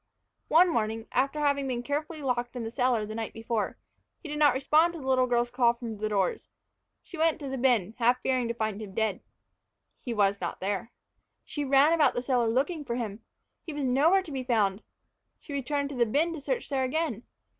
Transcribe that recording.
One morning, after having been carefully locked in the cellar the night before, he did not respond to the little girl's call from the doors. She went down to the bin, half fearing to find him dead. He was not there. She ran about the cellar looking for him. He was nowhere to be found. She returned to the bin to search there again.